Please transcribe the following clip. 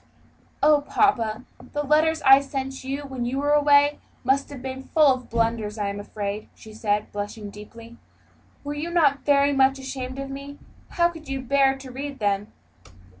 "Oh, papa, the letters I sent you when you were away must have been full of blunders, I am afraid," she said, blushing deeply; "were you not very much ashamed of me? How could you bear to read them?"